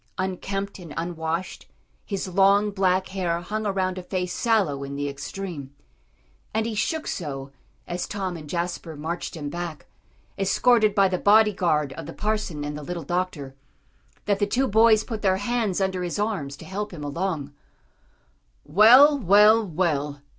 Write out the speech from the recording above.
Unkempt and unwashed, his long, black hair hung around a face sallow in the extreme. And he shook so, as Tom and Jasper marched him back, escorted by the body guard of the parson and the little doctor, that the two boys put their hands under his arms to help him along. "Well well well!"